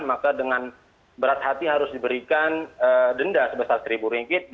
maka dengan berat hati harus diberikan denda sebesar seribu ringgit